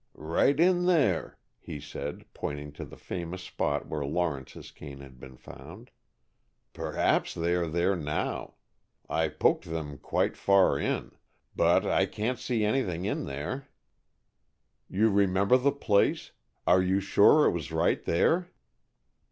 "Right in there," he said, pointing to the famous spot where Lawrence's cane had been found. "Perhaps they are there now. I poked them quite far in. But I can't see anything in there." "You remember the place? You are sure it was right there?"